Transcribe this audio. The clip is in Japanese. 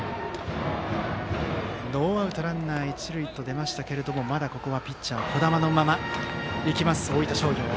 ノーアウトランナー、一塁と出ましたけどもまだここはピッチャー児玉のまま行きます、大分商業。